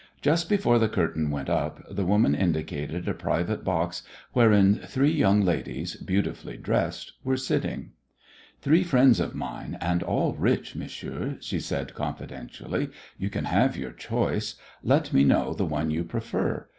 Just before the curtain went up the woman indicated a private box wherein three young ladies, beautifully dressed, were sitting. "Three friends of mine and all rich, monsieur," she said confidentially. "You can have your choice. Let me know the one you prefer.